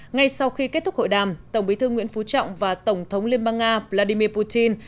ngay sau khi kết thúc hội đàm tổng bí thư nguyễn phú trọng và tổng thống liên bang nga vladimir putin